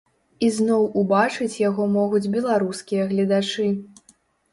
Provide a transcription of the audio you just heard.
Ізноў ўбачыць яго могуць беларускія гледачы.